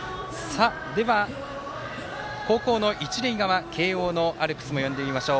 では、高校の一塁側慶応のアルプスも呼んでみましょう。